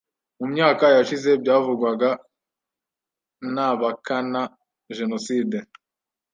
mu myaka yashize byavugwaga nabakana genocide